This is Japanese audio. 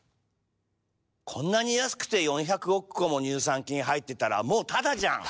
こんなに安くて４００億個も乳酸菌入ってたらもうタダじゃん！